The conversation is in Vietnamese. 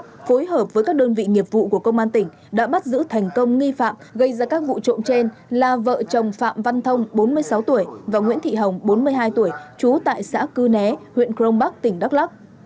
công an phối hợp với các đơn vị nghiệp vụ của công an tỉnh đã bắt giữ thành công nghi phạm gây ra các vụ trộm trên là vợ chồng phạm văn thông bốn mươi sáu tuổi và nguyễn thị hồng bốn mươi hai tuổi trú tại xã cư né huyện crong bắc tỉnh đắk lắc